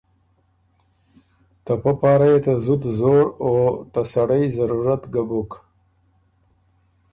ته پۀ پاره يې ته زُت زور او ته سړئ ضرورت ګۀ بُک